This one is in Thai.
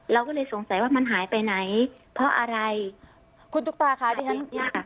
เราก็เลยสงสัยว่ามันหายไปไหนเพราะอะไรคุณตุ๊กตาค่ะดิฉันเนี่ยค่ะ